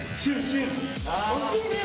惜しいね！